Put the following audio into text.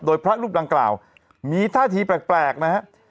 โดยพระรูปดังกล่าวมีท่าทีแปลกนะฮะ